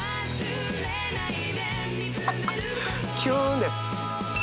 ハハキュンです！